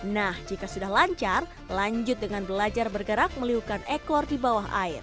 nah jika sudah lancar lanjut dengan belajar bergerak meliukan ekor di bawah air